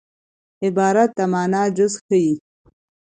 عبارت د مانا جز ښيي.